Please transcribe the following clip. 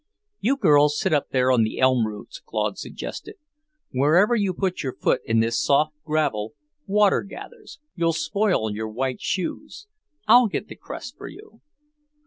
"You girls sit up there on the elm roots," Claude suggested. "Wherever you put your foot in this soft gravel, water gathers. You'll spoil your white shoes. I'll get the cress for you."